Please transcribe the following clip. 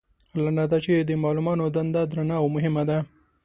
لنډه دا چې د معلمانو دنده درنه او مهمه ده.